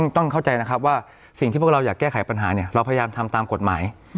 ต้องเข้าใจนะครับว่าสิ่งที่พวกเราอยากแก้ไขปัญหาเนี่ยเราพยายามทำตามกฎหมาย